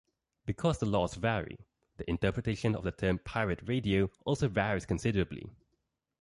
Because the laws vary, the interpretation of the term "pirate radio" also varies considerably.